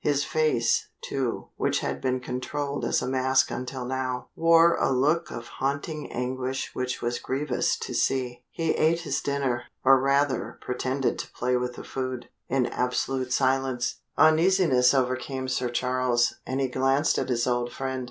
His face, too, which had been controlled as a mask until now, wore a look of haunting anguish which was grievous to see. He ate his dinner or rather, pretended to play with the food in absolute silence. Uneasiness overcame Sir Charles, and he glanced at his old friend.